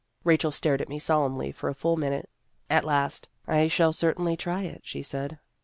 Rachel stared at me solemnly for a full minute. At last, " I shall certainly try it," she said.